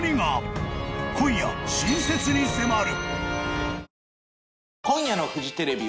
［今夜新説に迫る］